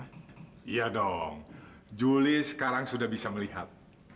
iya dong juli sekarang sudah bisa melihat